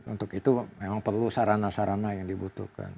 untuk itu memang perlu sarana sarana yang dibutuhkan